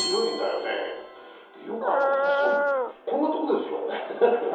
よくあの細い、こんなところですよ